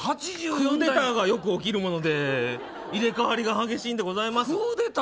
クーデターがよく起きるもので入れ替わりが激しいのでございます。